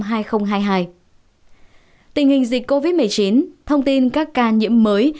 tình hình dịch covid một mươi chín thông tin các ca nhiễm mới